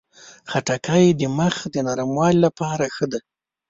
خټکی د مخ د نرموالي لپاره ښه دی.